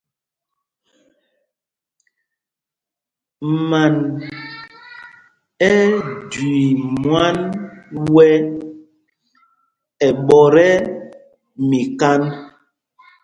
Man ɛ ́ɛ́ jüii mwán wɛ́ ɛ ɓɔ̌t ɛ́ mikānd.